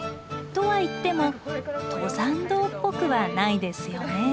とはいっても登山道っぽくはないですよね。